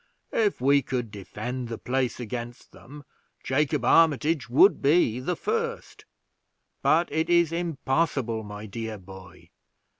If we could defend the place against them, Jacob Armitage would be the first; but it is impossible, my dear boy.